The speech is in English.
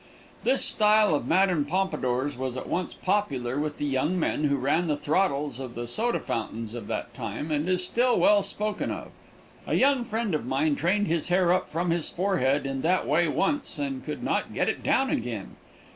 This style of Mme. Pompadour's was at once popular with the young men who ran the throttles of the soda fountains of that time, and is still well spoken of. A young friend of mine trained his hair up from his forehead in that way once and could not get it down again.